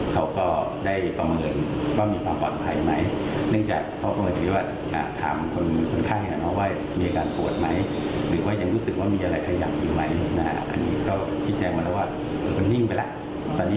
แสดงว่าถ้ายังมีแบรนด์อยู่มันอาจจะตาย